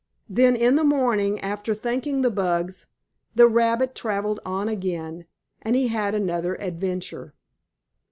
Then, in the morning, after thanking the bugs, the rabbit traveled on again, and he had another adventure.